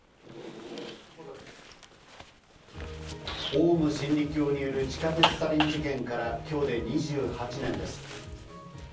オウム真理教による地下鉄サリン事件から今日で２８年です。